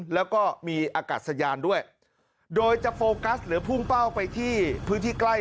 แล้วก็มีอากาศยานด้วยโดยจะโฟกัสหรือพุ่งเป้าไปที่พื้นที่ใกล้